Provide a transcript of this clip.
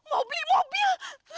mau beli mobil